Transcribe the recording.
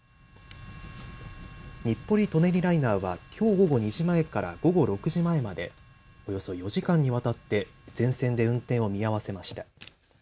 日暮里・舎人ライナーはきょう午後２時前から午後６時前までおよそ４時間にわたって全線で運転を見合わせました。